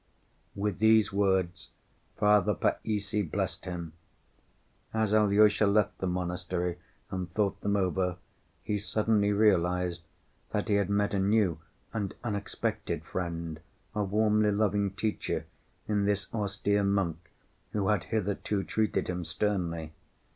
With these words Father Païssy blessed him. As Alyosha left the monastery and thought them over, he suddenly realized that he had met a new and unexpected friend, a warmly loving teacher, in this austere monk who had hitherto treated him sternly.